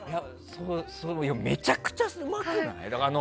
めちゃくちゃうまくない？